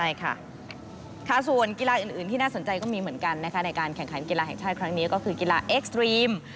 ใช่ค่ะส่วนกีฬาอื่นที่น่าสนใจก็มีเหมือนกันนะคะในการแข่งขันกีฬาแห่งชาติครั้งนี้ก็คือกีฬาเอ็กซ์ตรีม